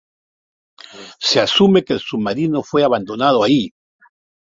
Se asume que el submarino fue abandonando ahí.